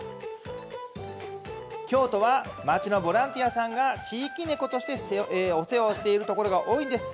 京都は町のボランティアさんが地域猫としてお世話をしているところが多いんです。